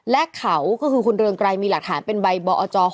และเขาก็คือคุณเรืองไกรมีหลักฐานเป็นใบบอจ๖